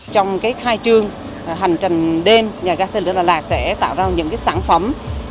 trong khai trương hành trình đêm nhà ga xe lửa đà lạt sẽ tạo ra những sản phẩm